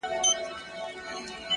وي دردونه په سيــــنـــــوكـــــــــي-